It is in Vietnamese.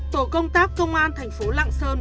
tổ công tác công an thành phố lạng sơn